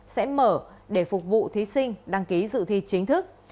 sẽ mở để phục vụ thí sinh đăng ký dự thi chính thức